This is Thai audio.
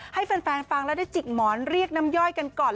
ให้แฟนฟังแล้วได้จิกหมอนเรียกน้ำย่อยกันก่อน